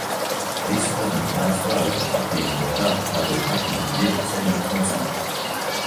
Visi pazina tēva straujo un apņēmīgo dabu, tādēļ atņemt zirgus sevišķi necentās.